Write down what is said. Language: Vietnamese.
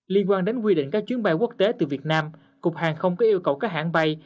liên quan đến quy định các chuyến bay quốc tế từ việt nam cục hàng không có yêu cầu các hãng bay